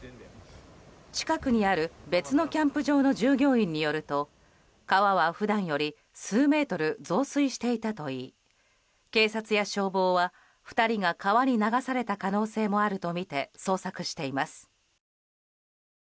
近くにある別のキャンプ場の従業員によると川は普段より数メートル増水していたといい警察や消防は、２人が川に流された可能性もあるとみて捜索しています。